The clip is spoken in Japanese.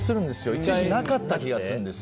一時なかった気がするんです。